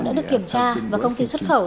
đã được kiểm tra và công ty xuất khẩu